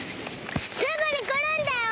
すぐにくるんだよ！